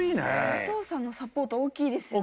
お父さんのサポート大きいですよね。